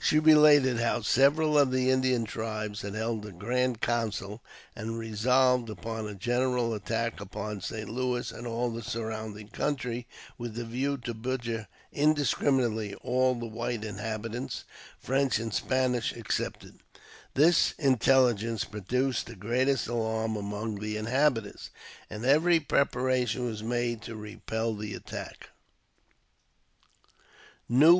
She related how several of the Indian tribes had held a grand council, and resolved upon a general attack upon St. Louis and all the surrounding country, with the view to butcher indiscriminately all the white inhabitants, French and Spanish excepted. This intelligence produced the greatest alarm among the inhabitants, and every preparation w^as made to repel the attack.